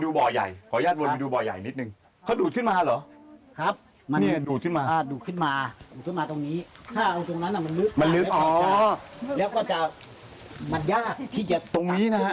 แล้วก็จะมันยากที่จะอเจมส์ตรงนี้นะขนาดกับอะไรทำงองเนี่ย